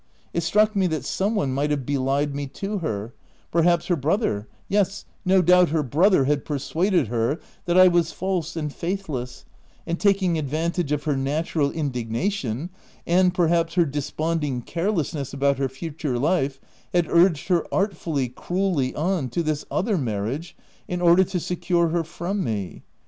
It struck me that seme one might have belied me to her : perhaps her brother — yes, no doubt her brother had per suaded her that I was false and faithless, and taking advantage of her natural indignation, and perhaps her desponding carelessness about her future life, had urged her, artfully, cruelly on, to this other marriage in order to secure her from me.